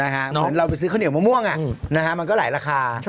เหมือนเราไปซื้อข้าวเหนียวมะม่วงมันก็หลายราคา